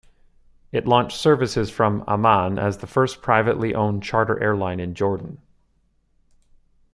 It launched services from Amman as the first privately owned charter airline in Jordan.